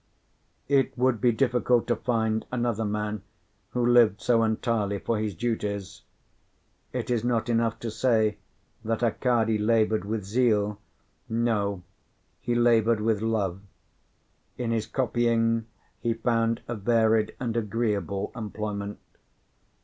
It would be difficult to find another man who lived so entirely for his duties. It is not enough to say that Akakiy laboured with zeal: no, he laboured with love. In his copying, he found a varied and agreeable employment.